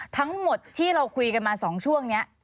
ทั้งหมดที่เราคุยกันมา๒ช่วงนี้